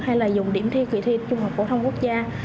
hay là dùng điểm thi kỳ thi trung học phổ thông quốc gia